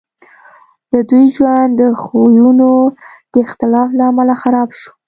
د دوی ژوند د خویونو د اختلاف له امله خراب شو